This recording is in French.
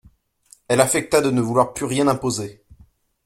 Elle affecta de ne vouloir plus rien imposer.